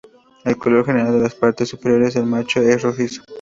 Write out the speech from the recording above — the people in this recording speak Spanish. El color general de las partes superiores del macho es rojizo.